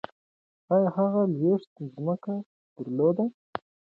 ایا هغه لویشت ځمکه درلوده؟